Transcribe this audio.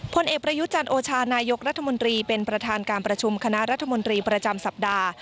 พลเอกประยุจันทร์โอชานายกรัฐมนตรีเป็นประธานการประชุมคณะรัฐมนตรีประจำสัปดาห์